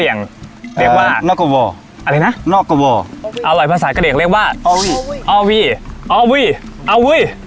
เรียกว่าอะไรนะอร่อยภาษากระเด่งเรียกว่า